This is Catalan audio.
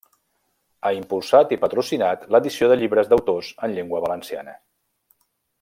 Ha impulsat i patrocinat l'edició de llibres d'autors en Llengua Valenciana.